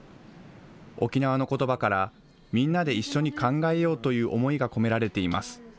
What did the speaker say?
沖縄のことばからみんなで一緒に考えようという思いが込められています。